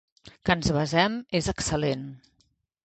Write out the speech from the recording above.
Que ens besem és excel·lent.